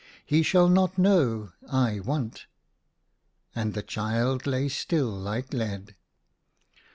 He shall not know * I want.' " And the child lay still like lead.